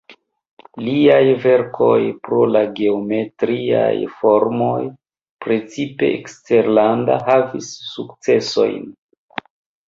Liaj verkoj pro la geometriaj formoj precipe eksterlanda havis sukcesojn.